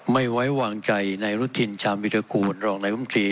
ไม่ไว้วางใจในรุ่นทินชามวิทยากรรองรายมันบุญตรี